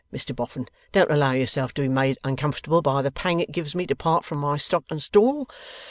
Mr Boffin, don't allow yourself to be made uncomfortable by the pang it gives me to part from my stock and stall.